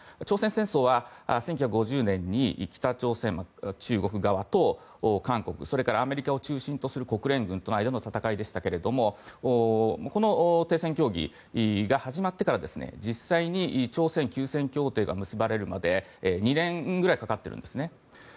朝鮮戦争は１９５０年に北朝鮮、中国側と韓国それからアメリカを中心とする国連軍との間の戦いでしたがこの停戦協議が始まってから実際に朝鮮休戦協定が結ばれるまでに２年ぐらいかかっているんですね。